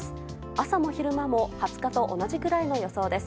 朝も昼間も２０日と同じくらいの予想です。